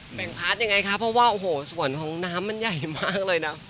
เปลี่ยงพาร์ทยังไงครับเพราะว่าส่วนของน้ำมันใหญ่มากเลยนะ